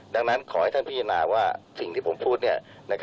ดังนั้นขอให้ท่านพิจารณาว่าสิ่งที่ผมพูด